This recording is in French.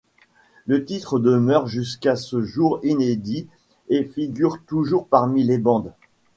Le titre demeure jusqu'à ce jour inédit et figure toujours parmi les bandes.